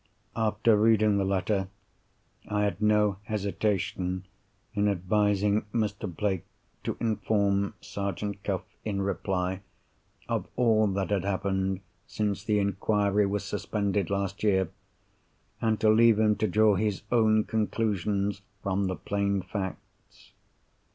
After reading the letter, I had no hesitation in advising Mr. Blake to inform Sergeant Cuff, in reply, of all that had happened since the inquiry was suspended last year, and to leave him to draw his own conclusions from the plain facts.